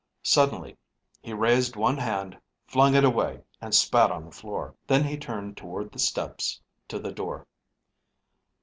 Suddenly he raised one hand, flung it away, and spat on the floor. Then he turned toward the steps to the door.